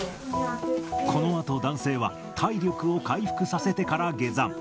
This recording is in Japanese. このあと男性は、体力を回復させてから下山。